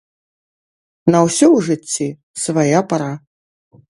На ўсё ў жыцці свая пара.